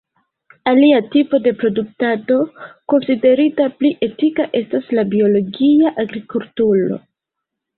Alia tipo de produktado konsiderita pli etika estas la biologia agrikulturo.